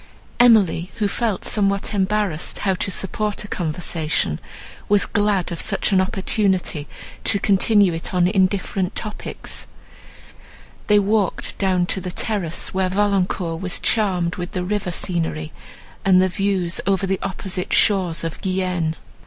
Emily, who felt somewhat embarrassed how to support a conversation, was glad of such an opportunity to continue it on indifferent topics. They walked down to the terrace, where Valancourt was charmed with the river scenery, and the views over the opposite shores of Guienne.